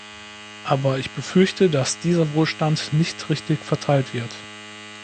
Aber ich befürchte, dass dieser Wohlstand nicht richtig verteilt wird.